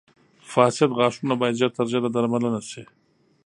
• فاسد غاښونه باید ژر تر ژره درملنه شي.